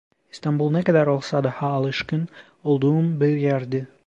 İstanbul ne kadar olsa daha alışkın olduğum bir yerdi.